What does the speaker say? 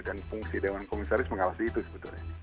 dan fungsi dewan komisaris mengawasi itu sebetulnya